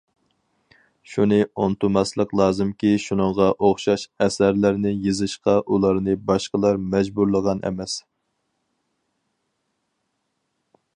شۇنى ئۇنتۇماسلىق لازىمكى شۇنىڭغا ئوخشاش ئەسەرلەرنى يېزىشقا ئۇلارنى باشقىلار مەجبۇرلىغان ئەمەس.